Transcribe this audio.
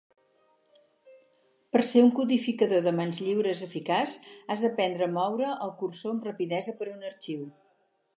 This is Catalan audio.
Per a ser un codificador de manis lliures eficaç, has d'aprendre a moure el cursor amb rapidesa per un arxiu.